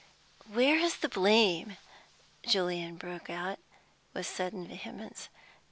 "Where is the blame?" Julian broke out, with sudden vehemence.